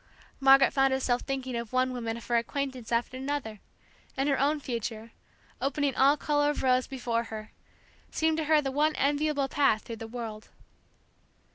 Margaret found herself thinking of one woman of her acquaintance after another, and her own future, opening all color of rose before her, seemed to her the one enviable path through the world.